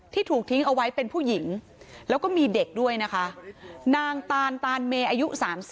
ถูกทิ้งเอาไว้เป็นผู้หญิงแล้วก็มีเด็กด้วยนะคะนางตานตานเมอายุ๓๐